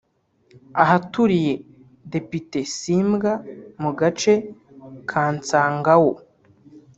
ahaturiye Depite Simbwa mu gace ka Kansangaaho